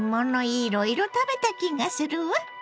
いろいろ食べた気がするわ。